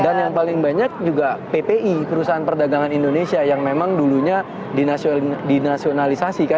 dan yang paling banyak juga ppi perusahaan perdagangan indonesia yang memang dulunya dinasionalisasi